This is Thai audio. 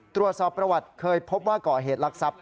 ตรวจสอบประวัติเคยพบว่าก่อเหตุลักษัพ